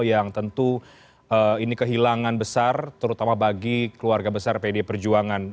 yang tentu ini kehilangan besar terutama bagi keluarga besar pd perjuangan